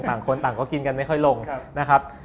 ต่างคนต่างก็กินกันไม่ค่อยลงนะครับ